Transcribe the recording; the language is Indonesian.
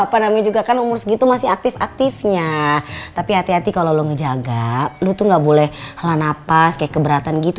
apa namanya juga kan umur segitu masih aktif aktifnya tapi hati hati kalau lo ngejaga lo tuh nggak boleh halah napas kayak keberatan gitu